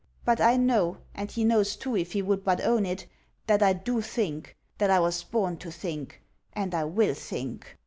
But I know, and he knows too if he would but own it, that I do think; that I was born to think: and I will think.